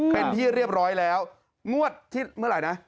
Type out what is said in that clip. เป็นที่เรียบร้อยแล้วงวดที่เมื่อไหร่นะ